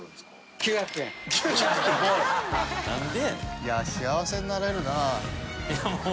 いや幸せになれるな。